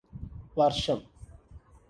വർഷം